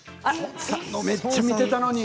めっちゃ見ていたのに。